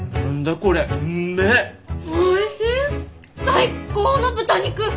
最高の豚肉！